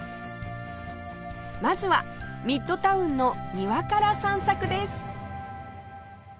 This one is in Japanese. まずはミッドタウンの庭から散策です